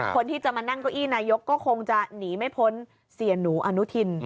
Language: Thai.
คนที่จะมานั่งเก้าอี้นายกก็คงจะหนีไม่พ้นเสียหนูอนุทิน